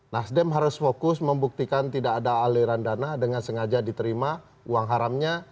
nasdem harus fokus membuktikan tidak ada aliran dana dengan sengaja diterima uang haramnya